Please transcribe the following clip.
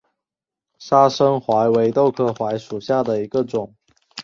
砂生槐为豆科槐属下的一个种。